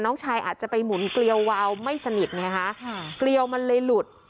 น้องชายอาจจะไปหมุนเกลียววาวไม่สนิทไงฮะค่ะเกลียวมันเลยหลุด